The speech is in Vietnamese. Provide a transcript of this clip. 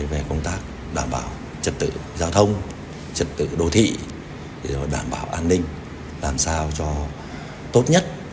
về công tác đảm bảo trật tự giao thông trật tự đô thị đảm bảo an ninh làm sao cho tốt nhất